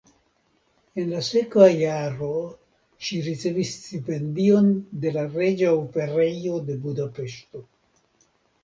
En la sekva jaro ŝi ricevis stipendion de la Reĝa Operejo de Budapeŝto.